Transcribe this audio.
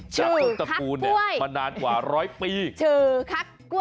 จากคนตระกูลเนี่ยมานานกว่าร้อยปีชื่อขักกล้วย